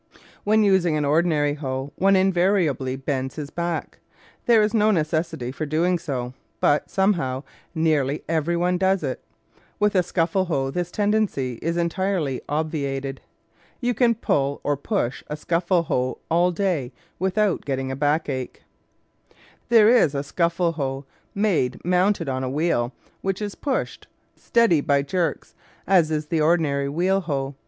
When using an ordinary hoe, one invari ably bends his back. There is no necessity for doing so, but, somehow, nearly every one does it. With a scuffle hoe this tendency is entirely obviated. You can pull or push a scuffle hoe all day without get ting a backache. There is a scuffle hoe made mounted on a wheel which is pushed " steady by jerks," as is the ordi nary wheel hoe.